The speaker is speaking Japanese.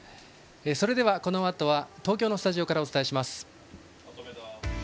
それではこのあと東京のスタジオからお伝えします。